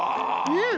うん！